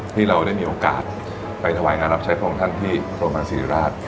ที่เราได้มีโอกาสไปถวายงานรับใช้พระองค์ท่านที่โรงพยาบาลศิริราช